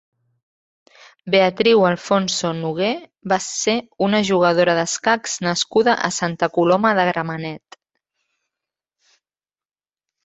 Beatriu Alfonso Nogué va ser una jugadora d'escacs nascuda a Santa Coloma de Gramenet.